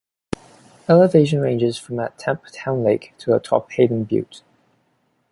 Elevation ranges from at Tempe Town Lake to atop Hayden Butte.